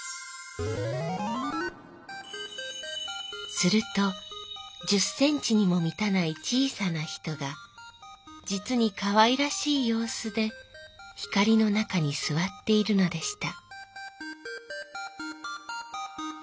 「すると１０ｃｍにもみたない小さな人がじつにかわいらしい様子で光の中にすわっているのでした」。